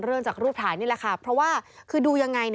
จากรูปถ่ายนี่แหละค่ะเพราะว่าคือดูยังไง